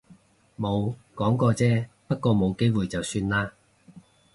冇，講過啫。不過冇機會就算喇